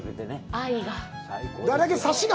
愛が。